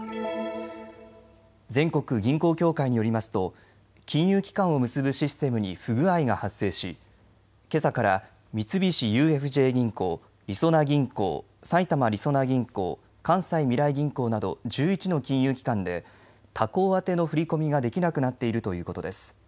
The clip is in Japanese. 全国銀行協会によりますと金融機関を結ぶシステムに不具合が発生し、けさから三菱ＵＦＪ銀行、りそな銀行、埼玉りそな銀行、関西みらい銀行など１１の金融機関で他行宛の振り込みができなくなっているということです。